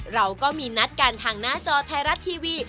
เราก็มีนัดกันทางหน้าจอไทยรัฐทีวี